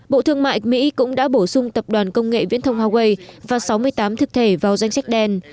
bộ thương mại mỹ cũng đã bổ sung tập đoàn công nghệ viễn thông huawei và sáu mươi tám thực thể vào danh sách đen